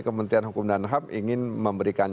kementerian hukum dan ham ingin memberikan